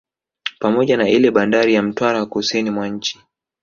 Pamoja na ile bandari ya Mtwara kusini mwa nchi